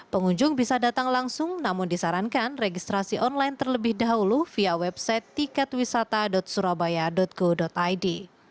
pengunjung bisa datang langsung namun disarankan registrasi online terlebih dahulu via website tiketwisata surabaya go id